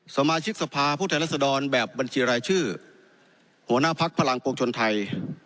สมาชิกสภาพุทธรรษฎรแบบบัญชีรายชื่อหัวหน้าพักษ์พลังโปรกชนไทย